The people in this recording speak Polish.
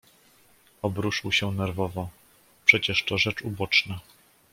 "Obruszył się nerwowo: „Przecież to rzecz uboczna!"